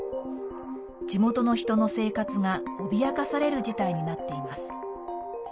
地元の人の生活が脅かされる事態になっています。